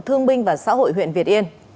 thương binh của bắc giang